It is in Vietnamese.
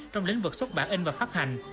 trong lĩnh vực xuất bản in và phát hành